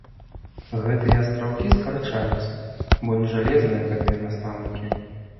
Гэтыя астраўкі скарачаюцца, бо не жалезныя гэтыя настаўнікі.